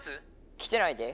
来てないで。